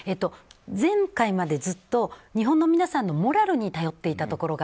前回までずっと日本の皆さんのモラルに頼っていたところが